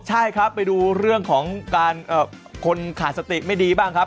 ใช่ครับไปดูเรื่องของการคนขาดสติไม่ดีบ้างครับ